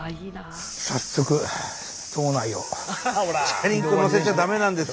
早速島内を。